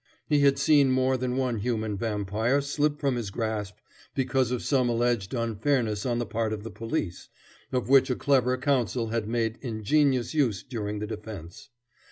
He had seen more than one human vampire slip from his grasp because of some alleged unfairness on the part of the police, of which a clever counsel had made ingenious use during the defense.